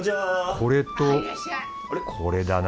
これとこれだな